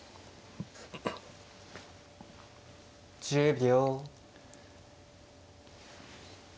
１０秒。